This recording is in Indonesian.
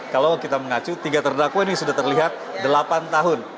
kalau kita mengacu tiga terdakwa ini sudah terlihat delapan tahun